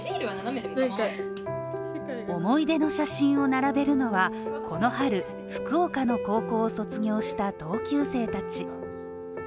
思い出の写真を並べるのはこの春、福岡の高校を卒業した同級生たち。